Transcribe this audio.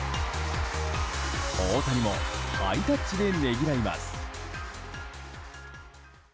大谷もハイタッチでねぎらいます。